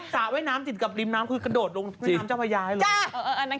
สระเวน้ำติดกับริมน้ำคุณกระโดดลงริมน้ำจะไปย้ายเลย